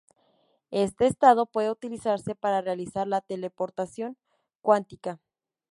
Este estado puede utilizarse para realizar la teleportación cuántica.